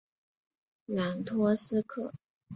朗托斯克。